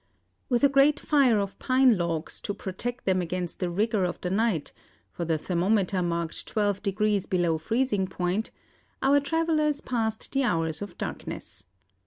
With a great fire of pine logs to protect them against the rigour of the night for the thermometer marked twelve degrees below freezing point our travellers passed the hours of darkness.